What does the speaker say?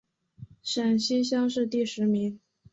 陕西乡试第十名。